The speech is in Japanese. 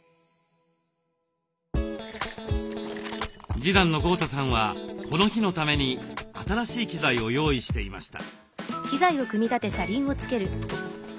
次男の豪太さんはこの日のために新しい機材を用意していました。